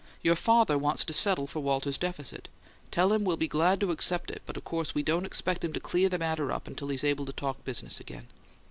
Your father wants to settle for Walter's deficit. Tell him we'll be glad to accept it; but of course we don't expect him to clean the matter up until he's able to talk business again."